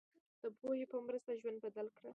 د پوهې په مرسته ژوند بدل کړئ.